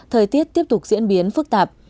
thời tiết tiếp tục diễn biến phức tạp